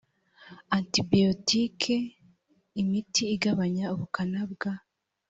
antibiyotiki imiti igabanya ubukana bwa